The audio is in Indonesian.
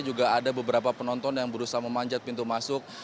juga ada beberapa penonton yang berusaha memanjat pintu masuk